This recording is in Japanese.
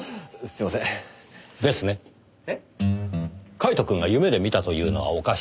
カイトくんが夢で見たというのはおかしい。